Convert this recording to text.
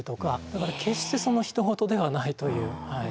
だから決してひと事ではないという。